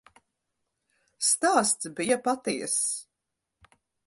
Stāsts bija patiess.